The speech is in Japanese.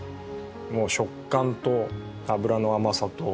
もう食感と脂の甘さと。